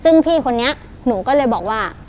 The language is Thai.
ซึ่งพี่คนนี้หนูก็เลยบอกว่า